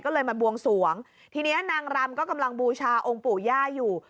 ก็เลยมาบวงสวงทีนี้นางรำก็กำลังบูชาองค์ปู่ย่าอยู่